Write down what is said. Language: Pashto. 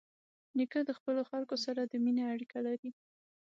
نیکه د خپلو خلکو سره د مینې اړیکه لري.